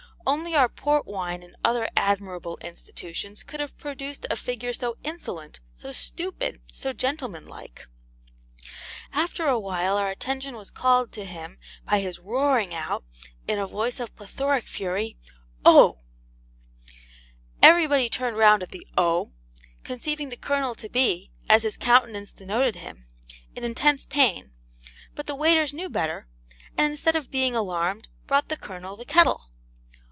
Only our port wine and other admirable institutions could have produced a figure so insolent, so stupid, so gentleman like. After a while our attention was called to him by his roaring out, in a voice of plethoric fury, 'O!' Everybody turned round at the 'O,' conceiving the Colonel to be, as his countenance denoted him, in intense pain; but the waiters knew better, and instead of being alarmed, brought the Colonel the kettle.